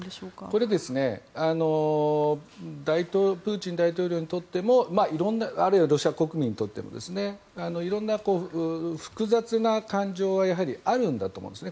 これはですねプーチン大統領にとってもあるいはロシア国民にとってもいろんな複雑な感情はやはり、あるんだと思います。